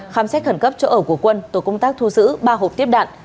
khám xét khẩn cấp chỗ ở của quân tổ công tác thu giữ ba hộp tiếp đạn